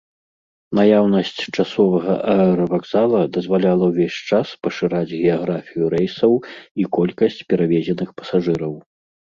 Наяўнасць часовага аэравакзала дазваляла ўвесь час пашыраць геаграфію рэйсаў і колькасць перавезеных пасажыраў.